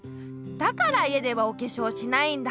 だから家ではおけしょうしないんだ。